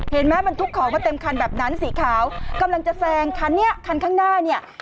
เห็นไหมมันทุกของมาเต็มคันแบบนั้นสีขาวกำลังจะแซงคันนี้คันข้างหน้าเนี่ย